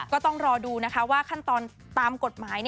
ก็ต้องรอดูนะคะว่าขั้นตอนตามกฎหมาย